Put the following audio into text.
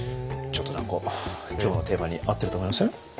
ちょっと何か今日のテーマに合ってると思いません？